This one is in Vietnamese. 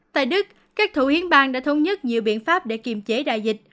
tại đức các thủ yến bang đã thống nhất nhiều biện pháp để kiềm chế đại dịch